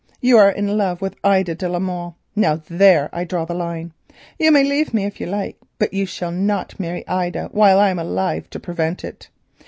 You are in love with Ida de la Molle. Now there I draw the line. You may leave me if you like, but you shall not marry Ida while I am alive to prevent it.